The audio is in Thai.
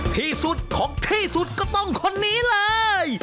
ที่สุดของที่สุดก็ต้องคนนี้เลย